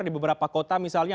di beberapa kota misalnya